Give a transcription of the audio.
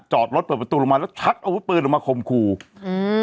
จอดรถเปิดประตูลงมาแล้วชักอาวุธปืนออกมาคมครูอืม